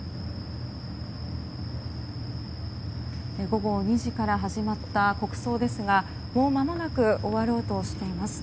午後２時から始まった国葬ですがもうまもなく終わろうとしています。